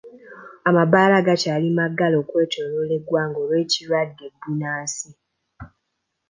Amabaala gakyali maggale okwetooloola eggwanga olw'ekirwadde bbunansi.